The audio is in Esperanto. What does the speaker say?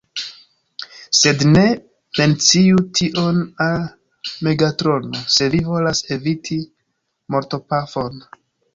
Sed ne menciu tion al Megatrono, se vi volas eviti mortopafon!